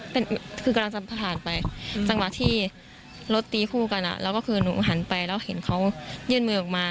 แต่คือกำลังจะผ่านไปจังหวะที่รถตีคู่กันอ่ะแล้วก็คือหนูหันไปแล้วเห็นเขายื่นมือออกมา